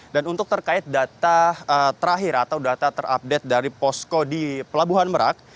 dan untuk terkait data terakhir atau data terupdate dari posco di pelabuhan merak